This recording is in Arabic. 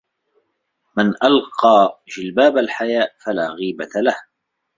مَنْ أَلْقَى جِلْبَابَ الْحَيَاءِ فَلَا غِيبَةَ لَهُ